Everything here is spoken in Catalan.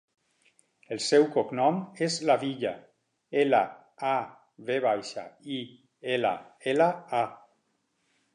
El seu cognom és Lavilla: ela, a, ve baixa, i, ela, ela, a.